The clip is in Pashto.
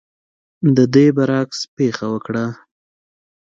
د دې برعکس پېښه وکړه.